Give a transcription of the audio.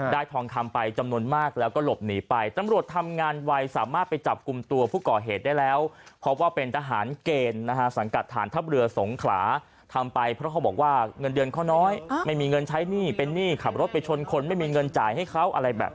ได้ทองทำไปจำนวนมากแล้วก็หลบหนีไปตำรวจทำงานวัยสามารถไปจับกลุ่มตัวผู้ก่อเหตุได้แล้ว